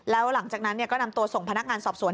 แล้วหลังจากนั้นก็นำตัวส่งพนักงานสอบสวน